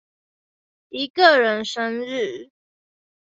一個人生日